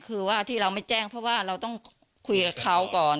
คือว่าที่เราไม่แจ้งเพราะว่าเราต้องคุยกับเขาก่อน